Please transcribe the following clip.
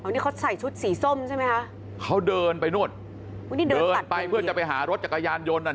นี่เขาใส่ชุดสีส้มใช่ไหมคะเขาเดินไปนู่นเดินไปเพื่อจะไปหารถจักรยานยนต์น่ะ